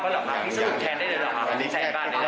เขาสรุปหรอพี่ทราบหรอ